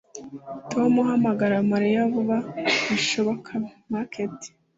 Tom hamagara Mariya vuba bishoboka meerkat